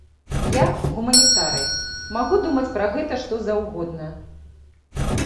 Я, гуманітарый, магу думаць пра гэта што заўгодна.